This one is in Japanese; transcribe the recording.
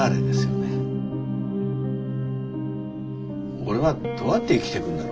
俺はどうやって生きていくんだろう？